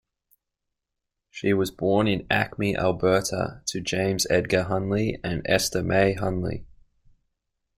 She was born in Acme, Alberta, to James Edgar Hunley and Esta May Hunley.